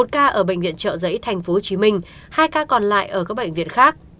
một ca ở bệnh viện trợ giấy tp hcm hai ca còn lại ở các bệnh viện khác